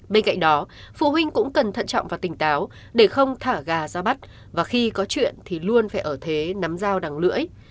bên cạnh đó phụ huynh cũng cần thận trọng và tỉnh táo để không thả gà ra bắt và khi có chuyện thì luôn phải ở thế nắm dao đằng lưỡi